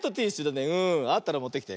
あったらもってきて。